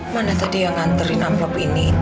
mana tadi yang nganterin amplop ini